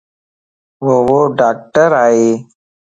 وو ڊاڪٽر ائي